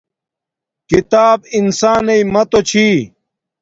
کتاب انسانݵ ماتو چھی